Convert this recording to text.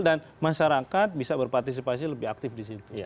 masyarakat bisa berpartisipasi lebih aktif di situ